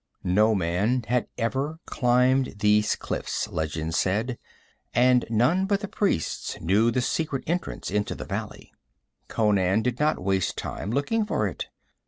No man had ever climbed these cliffs, legends said, and none but the priests knew the secret entrance into the valley. Conan did not waste time looking for it.